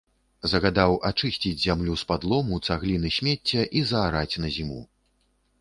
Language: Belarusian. Загадаў ачысціць зямлю з-пад лому, цаглін і смецця і заараць на зіму.